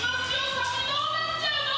サビどうなっちゃうの？